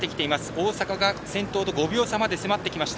大阪が先頭と５秒差まで迫ってきました。